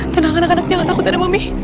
tenang anak anak jangan takut ada mami